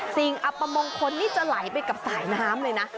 อัปมงคลนี่จะไหลไปกับสายน้ำเลยนะ